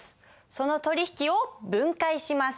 その取引を分解します。